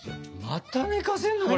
また寝かせるのこれ？